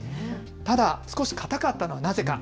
ただ少しかたかったのはなぜか。